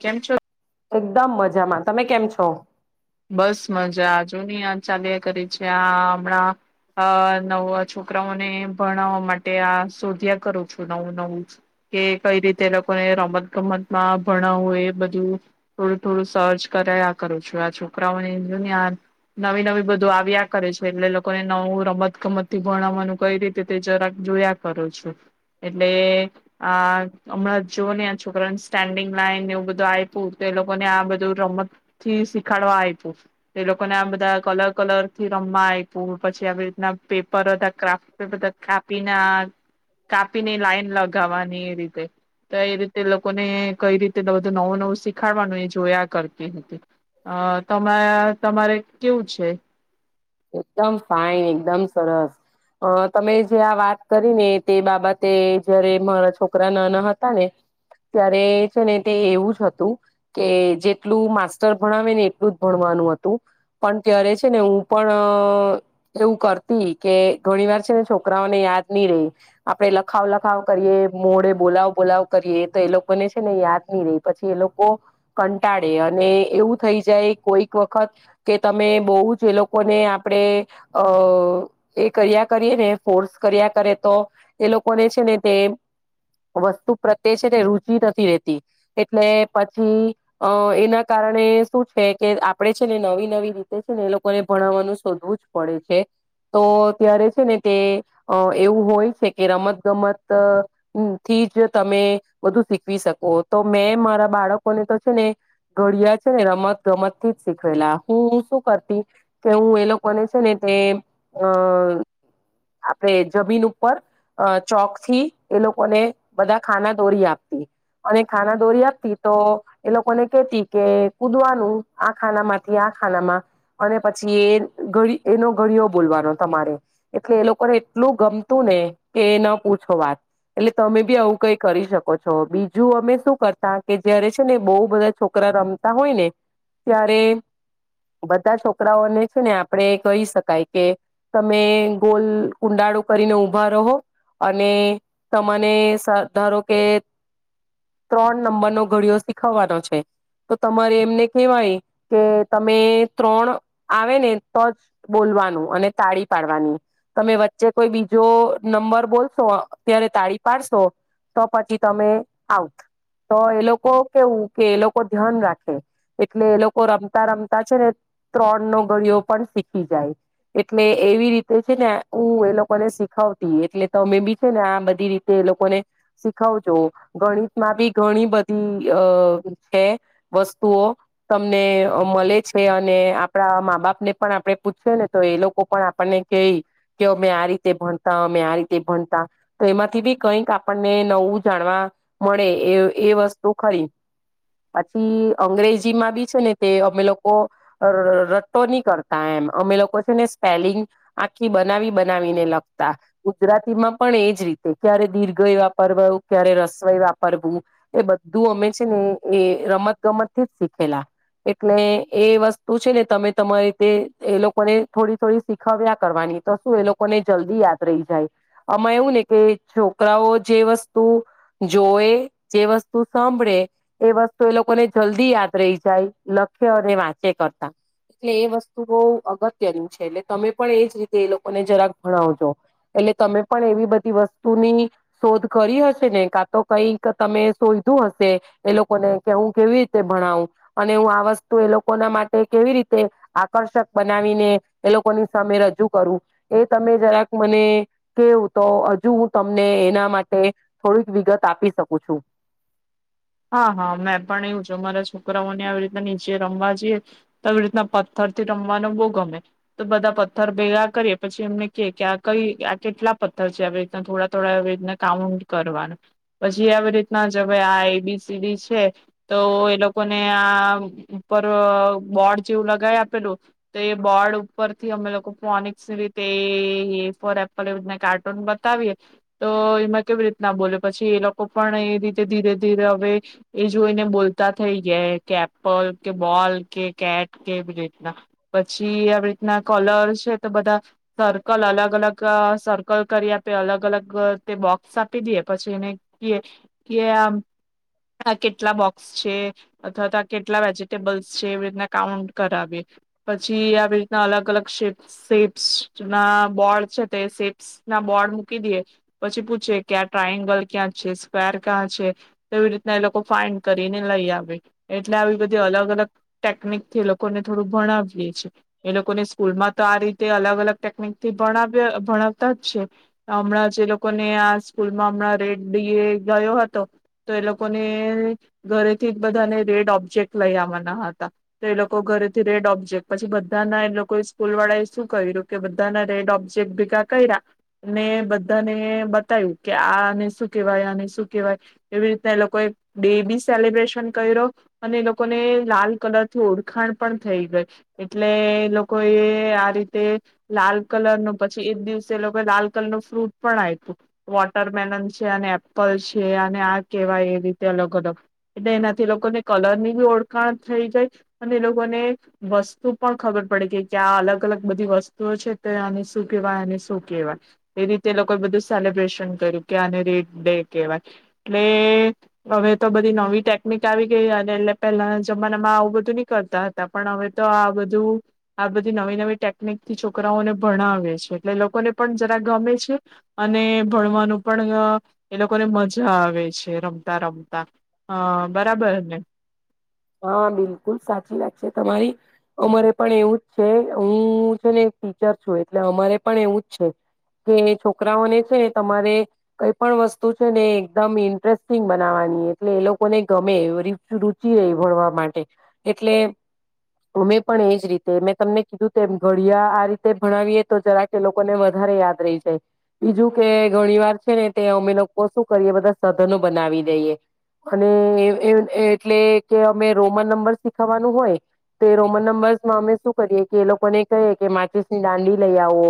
કેમ છો? એકદમ મજામાં, તમે કેમ છો? બસ મજા જોની આ ચાલીયા કરે છે. આ હમણાં અ નવા છોકરાઓને ભણાવવા માટે આ શોધ્યા કરું છું, નવું નવું જ કે કઈ રીતે એ લોકોને રમત-ગમતમાં ભણાવવું એ બધું થોડું થોડું સર્ચ કરયા કરું છું. આ છોક છોકરાઓને જો ની આ નવી નવી બધું આવ્યા કરે છે એટલે લોકોને નવું રમત ગમતથી ભણાવવાનું કઈ રીતે તે જરા જોયા કરુ છું એટલે આ હમણાં જો ને આ છોકરાને સ્ટેન્ડિંગ લાઈન એવું બધું આપ્યું તો, એ લોકોને આ બધું રમત થી શીખ [unintelligible] આયપુ, તે એ લોકોને આ બધા કલર કલર થી રમવા આય પૂ પછી આવી રીતના પે પર બધા ક્રાફ્ટ બધા કાપી ના કાપી ને લાઈન લગાવવાની એ રીતે, તો એ રીતે લોકોને કઈ રીતે બધું નવું નવું શીખાડવાનું એ જોયા કરતી હતી. અ તમે તમારે કેવું છે? એકદમ ફાઈન, એકદમ સરસ. અ તમે જે આ વાત કરી ને તે બાબતે, જયારે મારા છોકરા નાના હતા ને ત્યારે છે ને તે એવું જ હતું કે જેટલું માસ્ટર ભણાવે ને એટલું જ ભણવાનું હતું પણ ત્યારે છે ને હું પણ એવું કરતી કે, ઘણી વાર છે ને છોકરાઓને યાદ ની રેય આપડે લખાવ લખાવ કરીએ, મોઢે બોલાવ બોલાવ કરીએ તો એ લોકોને છે ને યાદ ની રેય, પછી એ લોકો કંટાળે અને એવું થઈ જાય કોઈક વખત કે તમે બો જ એ લોકો લોકોને આપણે અ એ કર્યા કરીએ ને ફોર્સ કર્યા કરે તો એ લોકોને છે ને તે વસ્તુ પ્રત્યે છે તે રુચિ નથી રેતી એટલે પછી અ એના કારણે શું છે કે આપડે છે ને નવી નવી રીતે છે ને એ લોકોને ભણવાનું શોધવું જ પડે છે. તો ત્યારે છે ને તે એવું હોય છે કે રમત ગમત થી જ તમે બધું શીખવી શકો. તો મેં મારા બાળકોને તો છે ને ઘડિયા છે ને રમત ગમત થી જ શીખવેલા. હું શું કરતી કે હું એ લોકોને છે ને તે અ આપડે જમીન ઉપર ચોક થી એ લોકોને બધા ખાના દોરી આપતી અને ખાના દોરી આપતી તો એ લોકોને કેતી કે કુદવાનું આ ખાના માંથી આ ખાનામાં અને પછી એ એનો ઘડયો બોલવાનો તમારે એટલે એ લોકોને એટલું ગમતું ને કે ન પૂછો વાત એટલે તમે બી આવું કઈ કરી શકો છો. બીજું અમે શું કરતા કે જયારે છે ને બો બધા છોકરા રમતા હોય ને ત્યારે બધા છોકરા છોકરાઓને છે ને આપણે કહી શકાય કે તમે ગોલ કુંડાળુ કરીને ઊભા રહો અને તમને ધારો કે ત્રણ નંબરનો ઘડીયો શીખવવાનો છે, તો તમારે એમને કહેવાય કે તમે ત્રણ આવે ને તો જ બોલવાનું અને તાળી પાડવાની તમે વચ્ચે કોઈ બીજો નંબર બોલશો, ત્યારે તાળી પાડશો તો પછી તમે આઉટ. તો એ લોકો કેવું કે એ લોકો ધ્યાન રાખે એટલે એ લોકો રમતા રમતા છે ને ત્રણ નો ઘડીયો પણ શીખી જાય એટલે એવી રીતે છે ને, હું એ લોકોને શીખવતી એટલે તમે બી છે ને આ બધી રીતે એ લોકોને શીખાવજો ગણિતમાં બી ઘણી બધી અ છે વસ્તુઓ, તમને મળે છે અને આપણા મા બાપ ને પણ આપણે પૂછએ ને, તો એ લોકો પણ આપણને કેય અમે આ રીતે ભણતા, અમે આ રીતે ભણતા, તો એમાંથી બી કઈક આપણને નવું જાણવા મળે એ એ વસ્તુ ખરી પછી અંગ્રેજીમાં બી છે ને તે અમે લોકો રટો ની કરતા એમ અમે લોકો છે ને સ્પેલિંગ આખી બનાવી બનાવીને લખતા. ગુજરાતીમાં પણ એજ રીતે ક્યારે દીર્ઘય વાપરવું, ક્યારે રસોઈ વાપરવું એ બધું અમે છે ને એ રમત ગમત થી જ શીખેલા એટલે એ વસ્તુ છે ને તમે તમારી રીતે એ લોકોને થોડી થોડી શીખવ્યા કરવાની, તો શું એ લોકોને જલ્દી યાદ રહી જાય. આમાં એવું ને કે છોકરાઓ જે વસ્તુ જોવે, જે વસ્તુ સાંભળે, એ વસ્તુ એ લોકોને જલ્દી યાદ રહી જાય, લખે અને વાંચે કરતા. એટલે એ વસ્તુ બહ અગત્યની છે. એટલે તમે પણ એજ રીતે એ લોકોને જરાક ભણાવજો. એટલે તમે પણ એવી બધી વસ્તુની શોધ કરી હશે ને, કાં તો કઈક તમે શોયધું હશે, એ લોકોને કે હું કેવી રીતે ભણાવું, અને હું આ વસ્તુ એ લોકોના માટે કેવી રીતે તે આકર્ષક બનાવીને એ લોકોની સામે રજૂ કરું. એ તમે જરાક મને કેવ, તો હજુ હું તમને એના માટે થોડીક વિગત આપી શકું છું. હા હા. મેં પણ એવું છે અમારા છોકરાઓને આવી રીતના નીચે રમવા જઈએ, તો આવી રીતના પથ્થરથી રમવાનો બહુ ગમે. તો બધા પથ્થર ભેગા કરીએ પછી એમને કે આ કઈ આ કેટલા પથ્થર છે આવી રીતના થોડા થોડા આવી રીતના કાઉન્ટ કરવાનું. પછી આવી રીતના જ હવે આ A B C C D છે, તો એ લોકોને આ ઉપર બોર્ડ જેવું લગાવી આપેલું. તો એ બોર્ડ ઉપરથી અમે લોકો ફોનિક રીતે એ ફોર એપલ કાર્ટૂન બતાવીએ, તો એમાં કેવી રીતના બોલે પછી એ લોકો પણ એ રીતે ધીરે ધીરે એ જોઈને બોલતા થઈ ગયા કે એપલ કે બોલ કે કેટ કે રીતના. પછી આવી રીતના કલર છે, તો બધા સર્કલ અલગ અલગ સર્કલ કરી આપે અલગ અલગ તે બોક્સ આપી દઈએ પછી એને કીએ કે આમ આ કેટલા બોક્સ છે? અથવા તો આ કેટલા વેજીિટેબલ્સ છે? એવી રીતના કાઉન્ટ કરાવીએ. પછી આવી રીતના અલગ અલગ શેપ્ શેપ્સ ના બોર્ડ છે તે શેપ્સ ના બોર્ડ મૂકી દઈએ પછી પૂછીએ કે આ ટ્રાયંગલ ક્યાં છે? સ્કવેર ક્યાં છે? એવી રીતના એ લોકો ફાઈન્ડ કરીને લઈ આવે. એટલે આવી બધી અલગ-અલગ ટેકનિકથી એ લોકોને થોડું ભણાવીએ છીએ. એ લોકોને સ્કૂલમાં તો આ રીતે અલગ અલગ ટેકનિક તે ભણાવ્ય અહ ભણાવતા જ છે, હમણાં જે લોકોને આ સ્કૂલમાં હમણાં રેડડી એ ગયો હતો તો એ લોકોને ઘરેથી બધાને રેડ ઓબ્જેક્ટ લઈ આવવાના હતા, તો એ લોકો ઘરેથી રેડ ઓબ્જેક્ટ, પછી બધાના એ લોકો સ્કૂલ વાળા એ શું કર્યું કે બધાના રેડ ઓબ્જેક્ટ ભેગા કર્યા ને બધાને બતાયવું. કે આ આને શું કેવાય આને શું કેવાય એવી રીતના એ લોકોએ ડે બી સેલિબ્રેશન કયરો અને એ લોકોને લાલ કલર થી ઓળખાણ પણ થઈ ગઈ, એટલે એ લોકો એ આ રીતે લાલ કલર નો, પછી ઈ જ દિવસે એ લોકોએ લાલ કલર નું ફ્રૂટ પણ આયપુ. વોટર મેલન છે, અને એપલ છે, અને આ કેવાય એ રીતે અલગ-અલગ, એટલે એનાથી એ લોકોને કલર ની બી ઓળખાણ થઈ જાય અને એ લોકોને વસ્તુ પણ ખબર પડે કે કે આ અલગ-અલગ બધી વસ્તુઓ છે તે આને શું કહેવાય, આને શું કહેવાય એ રીતે એ લોકોએ બધું સેલિબ્રેશન કર્યું કે આને રેડ ડે કહેવાય. એટલે હવે તો બધી નવી ટેકનિક આવી ગઈ અને એટલે પહેલાના જમાનામાં આવું બધું નહી કરતા હતા પણ હવે તો આ બધું આ બધી નવી-નવી ટેકનિક થી છોકરાઓને ભણાવે છે એટલે લોકોને પણ જરા ગમે છે અને ભણવાનું પણ એ લોકોને મજા આવ વે છે રમતા રમતા અહ બરાબર ને? હા બિલકુલ સાચી વાત છે તમારી, અમારે પણ એવું જ છે હું છે ને એક ટીચર છું, એટલે અમારે પણ એવું જ છે, કે છોકરાઓને છે તમારે કઈ પણ વસ્તુ છે ને એકદમ ઇન્ટરેસ્ટિંગ બનાવાની એટલે એ લોકોને ગમે [unintelligible] રુચિ રેય. ભણવા માટે, એટલે અમે પણ એજ રીતે મેં તમને કીધું તેમ ઘડિયા આ રીતે ભણાવીએ તો જરાક એ લોકોને વધારે યાદ રહી જાય, બીજું કે ઘણી વાર છે ને તે અમે લોકો શું કરીએ બધા સધનો બનાવી દઈએ, અને એ એટલે કે અમે રોમન નંબર શીખાવાનું હોય તો એ રોમન નંબર્સમાં અમે શું કરીએ કે એ લોકોને કહીએ કે માચિસ ની દાંડી લઈ આવો,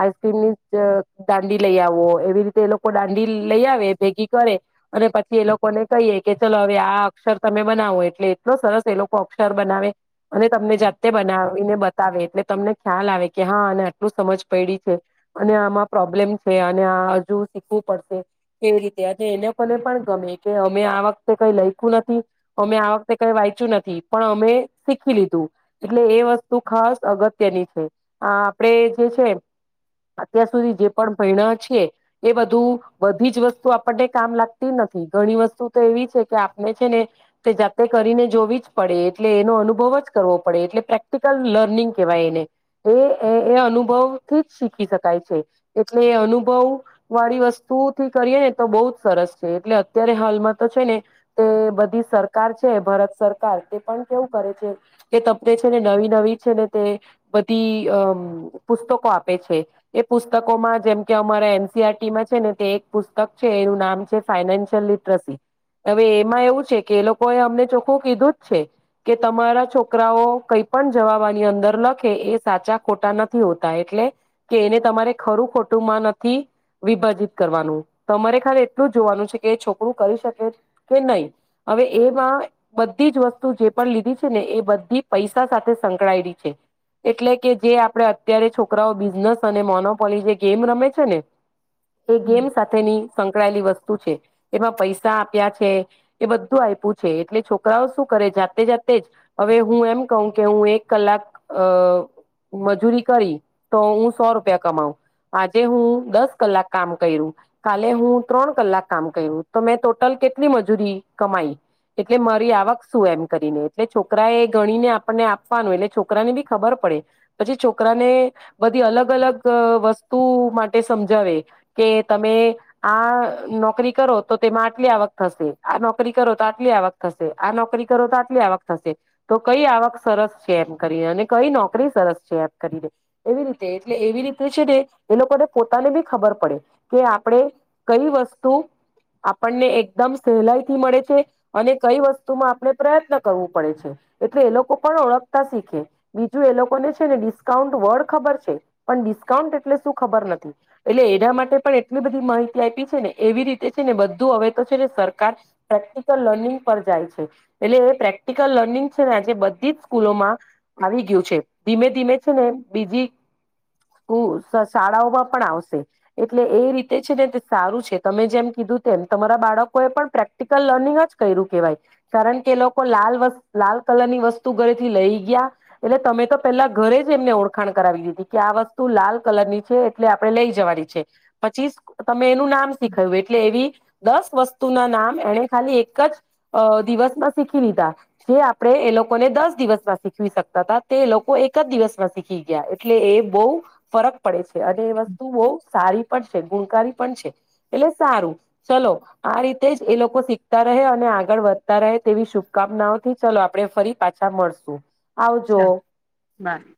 આઈસક્રીમ ની ચ અહ દાંડી લઈ આવો એવી રીતે એ લોકો દાંડી લઈ આવે ભેગી કરે અને પછી એ લોકોને કહીએ કે ચલો હવે આ અક્ષર તમે બનાવો એટલે એટલો સરસ એ લોકો અક્ષર બનાવે અને તમને જાતે બનાવીને બતાવે એટલે તમને ખ્યાલ આવે કે હા આને આટલું સમજ પડી છે, અને આમાં પ્રોબ્લેમ છે, અને આ હજુ શીખવું પડશે કેવી રીતે, અને એને કોને પણ ગમે કે અમે આ વખતે કઈ લઈખું નથી. અમે આ વખતે કઈ વાંચ્યું નથી, પણ અમે શીખી લીધું. એટલે એ વસ્તુ ખાસ અગત્યની છે, આ આપણે જે છે અત્યાર સુધી જે પણ ભઈણા છીએ એ બધું બધી જ વસ્તુ આપણને કામ લાગતી નથી, ઘણી વસ્તુ તો એવી છે કે આપણે છે ને તે જાતે કરીને જોવી જ પડે એટલે એનો અનુભવ જ કરવો પડે એટલે પ્રેક્ટિકલ લર્નિંગ કહેવાય એને. એ એ અનુભવથી જ શીખી શકાય છે, એટલે એ અનુભવ વાળી વસ્તુથી કરીએ ને તો બહુ જ સરસ છે, એટલે અત્યારે હાલમાં તો છે ને તે બધી સર કાર છે, ભારત સરકાર તે પણ કેવું કરે છે કે તમને છે ને નવી-નવી છે ને તે બધી અમ પુસ્તકો આપે છે, એ પુસ્તકોમાં જેમ કે અમારા એન સી આર ટીમાં છે ને તે એક પુસ્તક છે એનું નામ છે ફાઈનાન્શિયલ લિટરસી, હવે એમાં એવું છે કે એ લોક કોએ અમને ચોખ્ખું કીધું જ છે કે તમારા છોકરાઓ કઈ પણ જવાબ આની અંદર લખે એ સાચા ખોટા નથી હોતા, એટલે કે એને તમારે ખરું ખોટુંમાં નથી વિભાજીિત કરવાનું, તમારે ખાલી એટલું જ જોવાનું છે કે એ છોકરું કરી શકે કે નહી, હવે એમાં બધી જ વસ્તુ જે પણ લીધી છે ને એ બધી પૈસા સાથે સંકળાયેલી છે એટલે કે જે આપડે અત્યારે છોકરાઓ બિઝનેસ અને મોનોપોલી જે ગેમ રમે છે ને એ હમ ગેમ સાથેની સંકળાયેલી વસ સ્તુ છે, એમાં પૈસા આપ્યા છે એ બધું આય પુ છે એટલે છોકરાઓ શું કરે જાતે-જાતે જ હવે હું એમ કું કે હું એક કલાક અ? મજૂરી કરી તો હું સો રૂપિયા કમાવ, આજે હું દસ કલાક કામ કયરું, કાલે હું ત્રણ કલાક કામ કર્યું, તો મેં ટોટલ કેટલી મજૂરી કમાઈ? એટલે મારી આવક શું એમ કરીને, એટલે છોકરા એ ગણીને આપણને આપવાનું એટલે છોકરાને બી ખબર પડે. પછી છોકરાને બધી અલગ-અલગ વસ્તુ માટે સમજાવે કે તમે આ નોકરી કરો તો તેમાં આટલી આવક થશે, આ નોકરી કરો તો આ ટલી આવક થશે, આ નોકરી કરો તો આટલી આવક થશે તો કઈ આવક સરસ છે એમ કરીને, અને કઈ નોકરી સરસ છે એમ કરીને. એવી રીતે એટલે એવી રીતે છે ને એ લોકોને પોતાને બી ખબર પડે કે આપણે કઈ વસ્તુ આપણને એકદમ સહેલાઈથી મળે છે અને કઈ વસ્તુમાં આપણે પ્રયત્ન કરવું પડે છે, એટલે એ લોકો પણ ઓળખતા શીખે, બીજું એ લોકોને છે ને ડિસ્કાઉન્ટ વર્ડ ખબર છે પણ ડિસ્કાઉન્ટ એટલે શું ખબર નથી, એટલે એના માટે પણ એટલી બધી માહિતી આયપી છે ને એવી રીતે છે ને બધું અવે તો છેને સરકાર પ્રેક્ટિસ લર્નીગ પર જાય છે, એટલે એ પ્રેક્ટિકલ લર્નિંગ છે ને આજે બધી જ સ્કૂલોમાં આવી ગ્યું છે, ધીમે ધીમે છે ને બીજી સ્કૂલ શાળાઓમાં પણ આવશે એટલે એ રીતે છે ને તે સારું છે, તમે જેમ કીધું તેમ તમારા બાળકો એ પણ પ્રેક્ટિકલ લર્નિંગ જ કયરુ કેવાય કારણ કે એ લોકો લાલ વ લાલ કલરની વસ્તુ ઘરેથી લઈ ગયા, એટલે તમે તો પેલા ઘરે જ એમને ઓળખાણ કરાવી દીધી, કે આ વસ્તુ લાલ કલરની છે એટલે આપણે લેઈ જવાની છે, પછી [unintelligible] મેં એનું નામ શીખય્વુ એટલે એવી દસ વસ્તુના નામ એણે ખાલી એક ક જ દિવસમાં શીખી લીધા, જે આપણે એ લોકોને દસ દિવસમાં શીખવી શકતા તા, તે લોકો એક જ દિવસમાં શીખી ગયા એટલે એ બહુ ફરક પડે છે. અને એ વસ્તુ બઉ સારી પણ સે ગુણકારી પણ છે, એટલે સારું ચલો આ રીતે જ એ લોકો શી ખતા રહે અને આગળ વધતા રહે તેવી શુભકામનાઓથી ચલો આપણેે ફરી પાછા મળશું. આવજો ચા બાય.